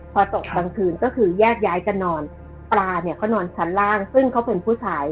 พอตกกลางคืนก็คือแยกย้ายกันนอนปลาเนี่ยเขานอนชั้นล่างซึ่งเขาเป็นผู้ชาย